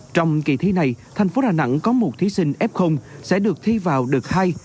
trong kỳ thi này thành phố đà nẵng có một thí sinh f sẽ được thi vào đợt hai